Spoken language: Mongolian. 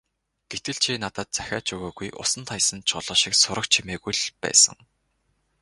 Гэтэл чи надад захиа ч өгөөгүй, усанд хаясан чулуу шиг сураг чимээгүй л байсан.